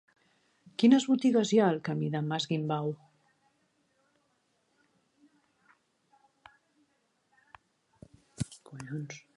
Quines botigues hi ha al camí del Mas Guimbau?